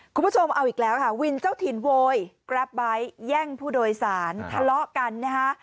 คุณผู้ชมเอาอีกแล้วค่ะวินเจ้าถิ่นโวยกราฟไบท์แย่งผู้โดยสารทะเลาะกันนะคะ